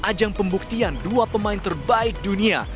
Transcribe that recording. ajang pembuktian dua pemain terbaik dunia